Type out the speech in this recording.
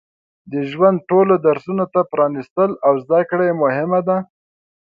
د ژوند ټولو درسونو ته پرانستل او زده کړه یې مهمه ده.